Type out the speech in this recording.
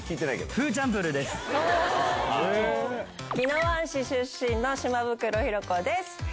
宜野湾市出身の島袋寛子です。